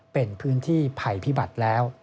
เป็นพื้นที่ภัยพิบัติแล้ว